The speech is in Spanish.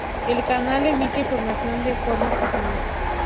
El canal emite información de forma continua.